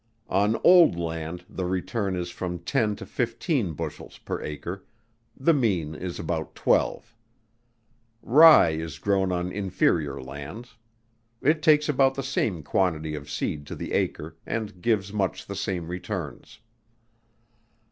On old land the return is from ten to fifteen bushels per acre, the mean is about twelve. Rye is grown on inferior lands. It takes about the same quantity of seed to the acre, and gives much the same returns.